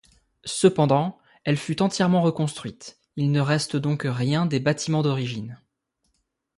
Cependant, elle fut entièrement reconstruite, il ne reste donc rien des bâtiments d’origine.